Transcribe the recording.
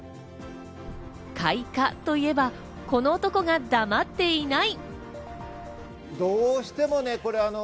開花といえば、この男がだまっていない！